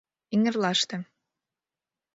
эҥерлаште